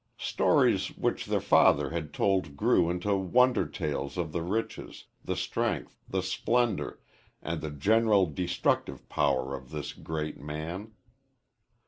Stories which their father had told grew into wonder tales of the riches, the strength, the splendor, and the general destructive power of this great man.